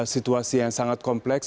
situasi yang sangat kompleks